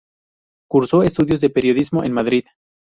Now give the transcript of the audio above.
Cursó estudios de periodismo en Madrid.